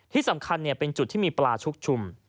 ที่สำคัญเป็นจุดที่มีปลาชุกชุม